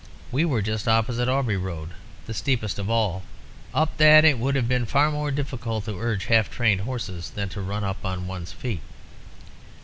We were just opposite Aubrey Road, the steepest of all; up that it would have been far more difficult to urge half trained horses than to run up on one's feet.